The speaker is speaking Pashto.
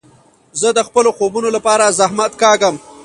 زه د خپلو خوبو له پاره زحمت کاږم.